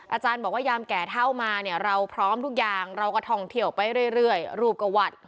อาจารย์บอกว่ายามแก่เท่ามาเนี่ยเราพร้อมทุกอย่างเราก็ท่องเที่ยวไปเรื่อยรูปก็วัด